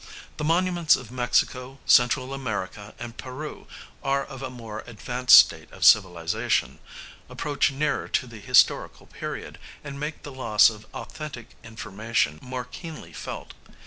The monuments of Mexico, Central America, and Peru are of a more advanced state of civilization, approach nearer to the historical period, and make the loss of authentic information more keenly felt.